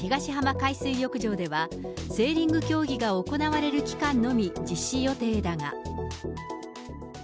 海水浴場では、セーリング競技が行われる期間のみ、実施予定だが。